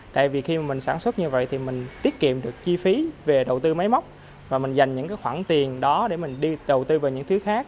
tại vì khi mà mình sản xuất như vậy thì mình tiết kiệm được chi phí về đầu tư máy móc và mình dành những cái khoản tiền đó để mình đi đầu tư về những thứ khác